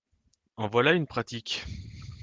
En voilà une pratique !…